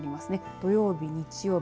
土曜日、日曜日